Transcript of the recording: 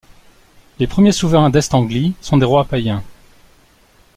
Les premiers souverains d'Est-Anglie sont des rois païens.